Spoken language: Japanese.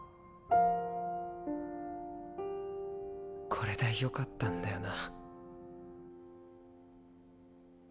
これでよかったんだよな。